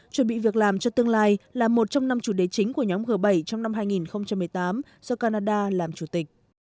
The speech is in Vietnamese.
chuẩn bị việc làm cho tương lai là một trong năm chủ đề chính của nhóm g bảy trong năm hai nghìn một mươi tám do canada làm chủ tịch